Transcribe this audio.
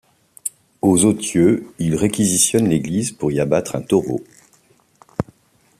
Aux Authieux, ils réquisitionnent l'église pour y abattre un taureau.